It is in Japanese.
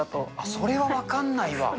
それは分かんないわ。